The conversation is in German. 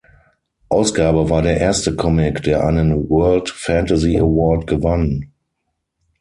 Ausgabe war der erste Comic, der einen World Fantasy Award gewann.